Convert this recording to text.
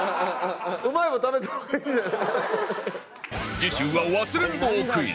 次週は忘れん坊クイズ！